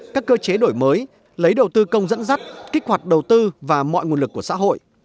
các cơ chế đổi mới lấy đầu tư công dẫn dắt kích hoạt đầu tư và mọi nguồn lực của xã hội